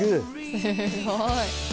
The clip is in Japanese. すごい。